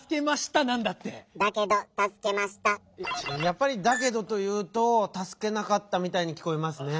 やっぱり「だけど」というとたすけなかったみたいにきこえますね。